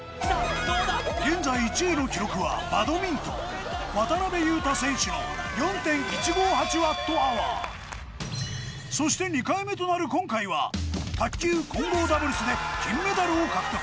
現在１位の記録はバドミントン渡辺勇大選手の４．１５８Ｗｈそして２回目となる今回は卓球混合ダブルスで金メダルを獲得